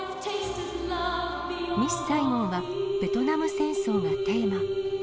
ミス・サイゴンは、ベトナム戦争がテーマ。